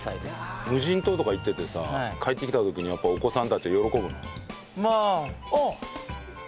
無人島とか行っててさ帰ってきた時にやっぱお子さんたちは喜ぶの？